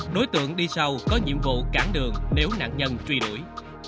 đối tượng đi sau có nhiệm vụ cản đường nếu nạn nhân truy đuổi